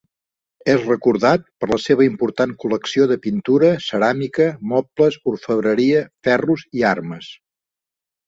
És recordat per la seva important col·lecció de pintura, ceràmica, mobles, orfebreria, ferros i armes.